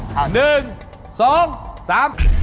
ครับ